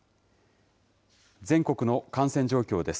全国の感染状況です。